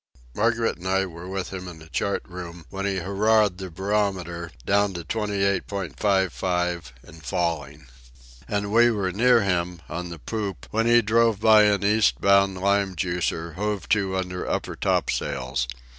Margaret and I were with him in the chart room when he hurrahed the barometer, down to 28.55 and falling. And we were near him, on the poop, when he drove by an east bound lime juicer, hove to under upper topsails.